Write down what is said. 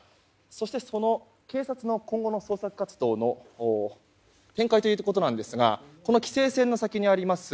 そして、その警察の今後の捜索活動の展開ということなんですがこの規制線の先にあります